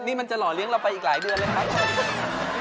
นี่มันจะหล่อเลี้ยเราไปอีกหลายเดือนเลยครับ